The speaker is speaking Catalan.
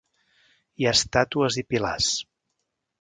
Hi ha estàtues i pilars.